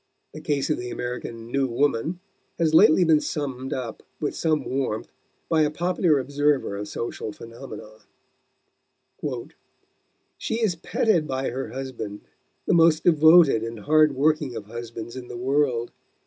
The case of the American "new woman" has lately been summed up with some warmth by a popular observer of social phenomena: "She is petted by her husband, the most devoted and hard working of husbands in the world....